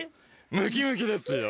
ムキムキですよ。